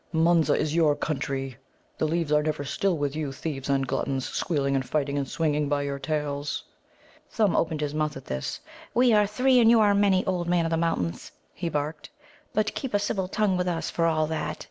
"Munza is your country," he said. "The leaves are never still with you, thieves and gluttons, squealing and fighting and swinging by your tails!" Thumb opened his mouth at this. "We are three, and you are many, Old Man of the Mountains," he barked, "but keep a civil tongue with us, for all that.